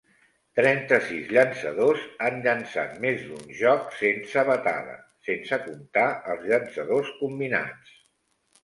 Trenta-sis llançadors han llançat més d'un joc sense batada, sense comptar els llançadors combinats.